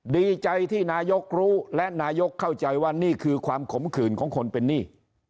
ดีใจที่นายกรู้และนายกเข้าใจว่านี่คือความขมขื่นของคนเป็นหนี้